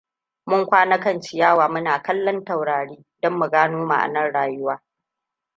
Mun kwana kan ciyawa muna kallon taurari, don mu gano ma'anar rayuwa.